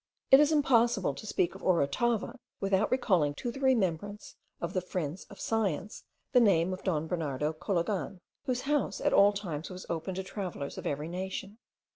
It is impossible to speak of Orotava without recalling to the remembrance of the friends of science the name of Don Bernardo Cologan, whose house at all times was open to travellers of every nation.